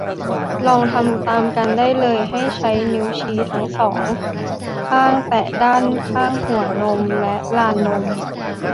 ลองทำตามกันได้เลย ให้ใช้นิ้วชี้ทั้ง สอง ข้างแตะด้านข้างหัวนมและลานนม